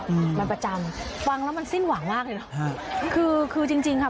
อืมมันประจำฟังแล้วมันสิ้นหวังมากเลยเนอะฮะคือคือจริงจริงค่ะ